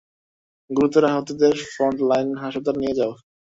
গুরুতর আহতদের ফ্রন্টলাইন হাসপাতালে নিয়ে যাও।